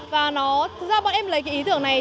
và nó ra bọn em lấy cái ý tưởng này